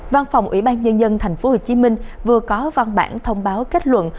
văn phòng ủy ban nhân dân tp hcm vừa có văn bản thông báo kết luận